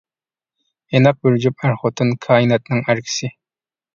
ئىناق بىر جۈپ ئەر-خوتۇن، كائىناتنىڭ ئەركىسى.